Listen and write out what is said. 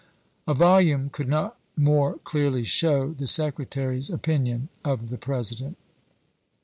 A volume could not more clearly show the Secretary's opinion of the President.